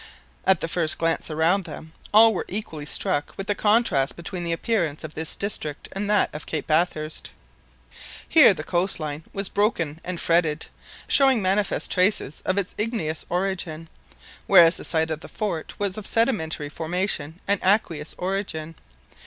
At the first glance around them, all were equally struck with the contrast between the appearance of this district and that of Cape Bathurst. Here the coast line was broken and fretted, showing manifest traces of its igneous origin; whereas the site of the fort was of sedimentary formation and aqueous origin.